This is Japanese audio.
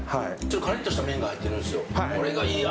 カリッとした麺が入ってるんですよ。